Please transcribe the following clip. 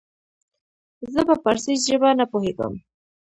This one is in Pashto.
زه په پاړسي زبه نه پوهيږم